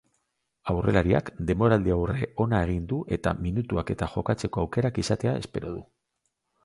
Aurrelariak denboraldiaurre ona egin du eta minutuak eta jokatzeko aukerak izatea espero du.